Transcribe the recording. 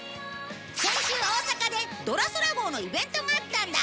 先週大阪でドラそら号のイベントがあったんだ